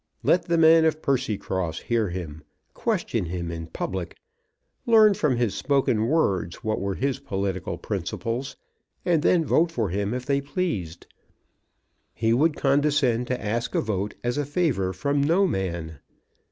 Let the men of Percycross hear him, question him in public, learn from his spoken words what were his political principles, and then vote for him if they pleased. He would condescend to ask a vote as a favour from no man.